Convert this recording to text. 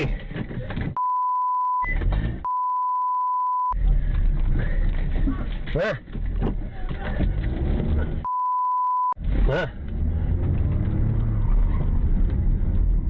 เหมือนกัน